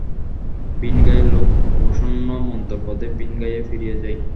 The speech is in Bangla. ভিনগাঁয়ের লোক অবসন্ন মন্থর পদে ভিনগাঁয়ে ফিরিয়া যায়।